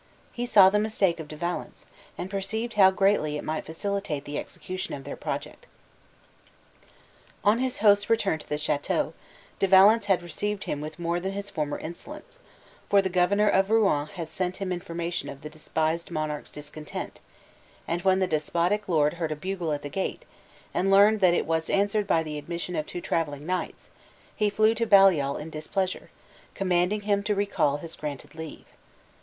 He saw the mistake of De Valence, and perceived how greatly it might facilitate the execution of their project. On his host's return to the chateau, De Valence had received him with more than his former insolence, for the Governor of Rouen had sent him information of the despised monarch's discontent; and when the despotic lord hear a bugle at the gate, and learned that it was answered by the admission of two traveling knights, he flew to Baliol in displeasure, commanding him to recall his granted leave.